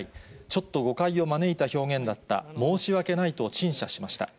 ちょっと誤解を招いた表現だった、申し訳ないと陳謝しました。